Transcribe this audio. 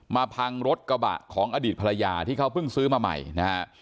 พังรถกระบะของอดีตภรรยาที่เขาเพิ่งซื้อมาใหม่นะฮะ